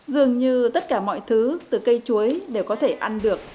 dường như tất cả mọi thứ từ cây chuối đều có thể ăn được